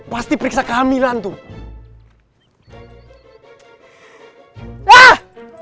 pasti periksa kehamilan tuh